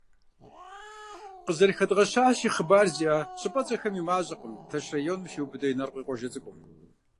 Къызэрыхэдгъэщащи, хъыбар зиӏэ щӏыпӏэцӏэхэр и мащӏэкъым Тэрч районым хиубыдэ Инарыкъуей къуажэ цӏыкӏум.